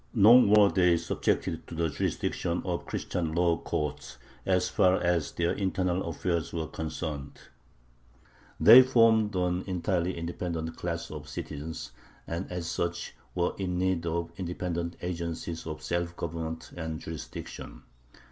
Nor were they subjected to the jurisdiction of Christian law courts as far as their internal affairs were concerned. They formed an entirely independent class of citizens, and as such were in need of independent agencies of self government and jurisdiction.